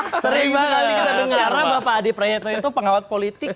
karena bapak adi praetno itu pengamat politik